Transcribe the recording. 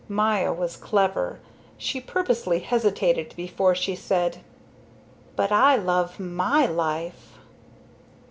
Maya was clever. She purposely hesitated before she said: "But I love my life."